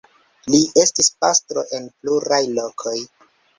Li estis pastro en pluraj lokoj.